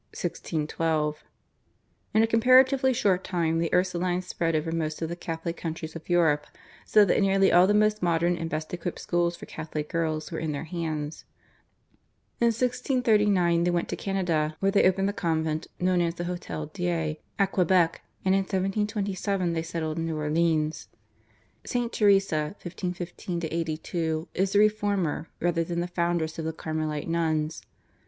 In a comparatively short time the Ursulines spread over most of the Catholic countries of Europe, so that nearly all the most modern and best equipped schools for Catholic girls were in their hands. In 1639 they went to Canada where they opened the convent known as the Hotel Dieu at Quebec, and in 1727 they settled in New Orleans. St. Teresa (1515 82) is the reformer rather than the foundress of the Carmelite nuns.